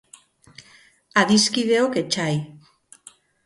Adiskideok etsai.